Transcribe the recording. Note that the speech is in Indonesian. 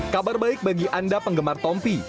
kabar baik bagi anda penggemar tompi